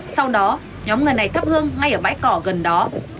sau đó nhóm người này thắp hương ngay ở bãi cỏ gần đó